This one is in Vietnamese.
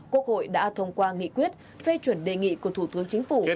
quốc hội đã thông qua nghị quyết phê chuẩn đề nghị của thủ tướng chính phủ